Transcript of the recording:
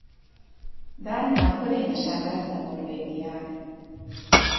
Dánia fölényesen verte Norvégiát.